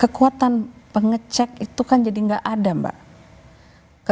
kekuatan pengecek itu kan jadi nggak ada mbak